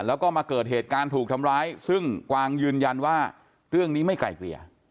แล้วก็มาเกิดเหตุการณ์ถูกทำร้ายซึ่งกวางยืนยันว่าเรื่องนี้ไม่ไกลเกลี่ย